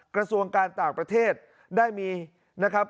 กระทรวงการต่างประเทศได้มีนะครับ